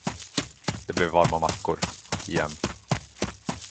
Det blev varma mackor, igen.